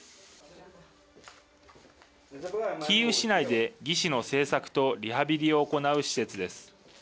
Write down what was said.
キーウ市内で義肢の製作とリハビリを行う施設です。